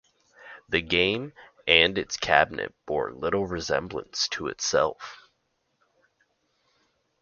The game and its cabinet bore little resemblance to itself.